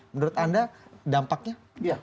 menurut anda dampaknya